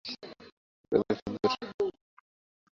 একটা দায় হইতে উদ্ধার হইতে গিয়া ফের আর-একটা দায়ের মধ্যে জড়াইয়া পড়িব।